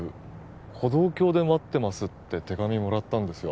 「歩道橋で待ってます」って手紙もらったんですよ